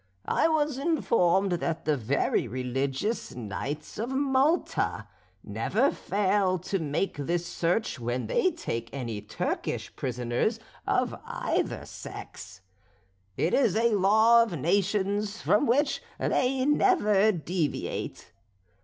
I was informed that the very religious Knights of Malta never fail to make this search when they take any Turkish prisoners of either sex. It is a law of nations from which they never deviate.